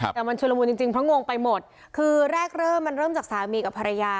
แต่มันชุดละมุนจริงจริงเพราะงงไปหมดคือแรกเริ่มมันเริ่มจากสามีกับภรรยา